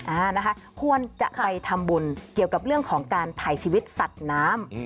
อ่านะคะควรจะไปทำบุญเกี่ยวกับเรื่องของการถ่ายชีวิตสัตว์น้ำ